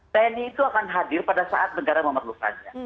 tni itu akan hadir pada saat negara memerlukannya